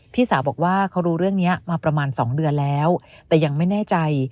พี่สาวบอกว่าเขารู้เรื่องนี้มาประมาณ๒เดือนแล้วแต่ยังไม่แน่ใจ